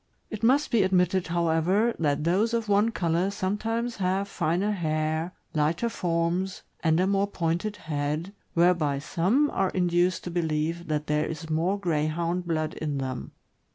It must be admitted, however, that those of one color sometimes have finer hair, lighter forms, and a more pointed head, whereby some are induced to believe that there is more Greyhound blood in them.